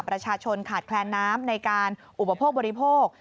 ประชาชนขาดแคลนน้ำในการอุปโภคบริโภค